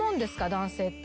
男性って。